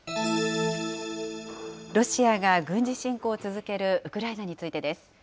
ロシアが軍事侵攻を続けるウクライナについてです。